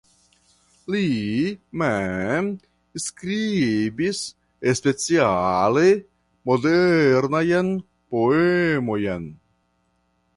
Li mem skribis speciale modernajn poemojn.